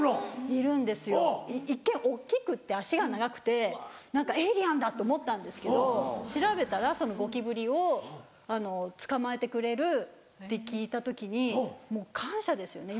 いるんですよ一見大っきくって足が長くて何かエイリアンだ！って思ったんですけど調べたらゴキブリを捕まえてくれるって聞いた時にもう感謝ですよね。